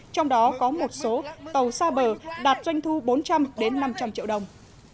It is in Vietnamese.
trong đó có một số tàu xa bờ đạt doanh thu bốn trăm linh năm trăm linh triệu đồng